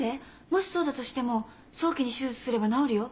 もしそうだとしても早期に手術すれば治るよ。